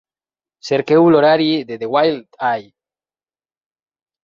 Cerqueu l'horari de The Wild Eye.